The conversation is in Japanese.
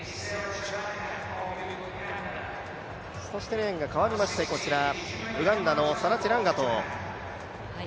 レーンが変わりましてウガンダのサラ・チェランガト。